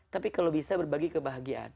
tapi kalau bisa berbagi kebahagiaan